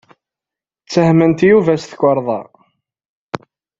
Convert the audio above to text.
Ttehment Yuba s tukerḍa.